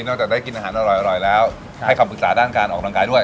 จากได้กินอาหารอร่อยแล้วให้คำปรึกษาด้านการออกกำลังกายด้วย